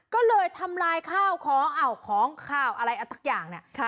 ก็เลยทำลายข้าวของของข้าวอะไรสักอย่างเนี่ย